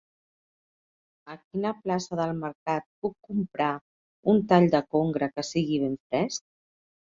A quina plaça del mercat puc comprar un tall de congre que sigui ben fresc?